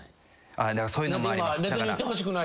そういうのもあります。